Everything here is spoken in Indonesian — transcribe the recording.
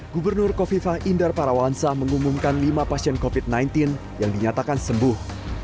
gubernur kofifah indar parawansa mengumumkan lima pasien covid sembilan belas yang dinyatakan sembuh